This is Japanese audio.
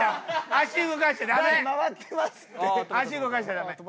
足動かしちゃダメ。